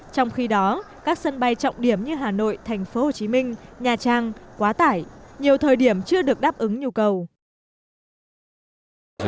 trong khi đó các sân bay trọng điểm như hà nội tp hcm nha trang quá tải nhiều thời điểm chưa được đáp ứng nhu cầu